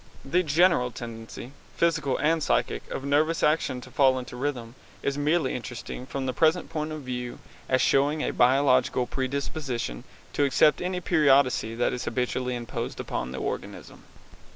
The general tendency, physical and psychic, of nervous action to fall into rhythm is merely interesting from the present point of view as showing a biological predisposition to accept any periodicity that is habitually imposed upon the organism.